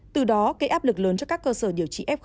từ đó gây áp lực lớn cho các cơ sở điều trị f